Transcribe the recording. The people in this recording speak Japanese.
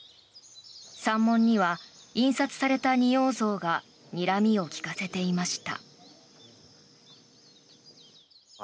山門には印刷された仁王像がにらみを利かしていました。